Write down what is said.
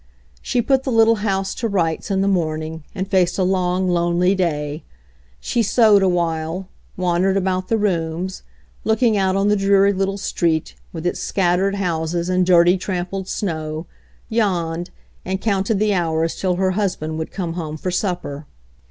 She put the little house to rights in the morn ing, and faced a long, lonely day. She sewed a while, wandered about the rooms, looking out on the dreary little street, with its scattered houses and dirty trampled snow, yawned, and counted the hours till her husband would come home for supper.